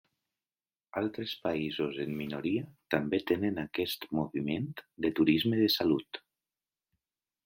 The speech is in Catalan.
Altres països en minoria també tenen aquest moviment de turisme de salut.